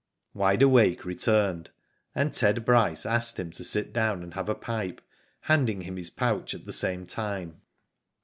Wide Awake returned and Ted Bryce asked him to sit down and have a pipe, handing him his pouch at the same time.